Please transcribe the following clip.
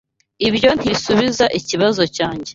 Ibyo ntibisubiza ikibazo cyanjye.